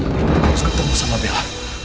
terus ketemu sama bella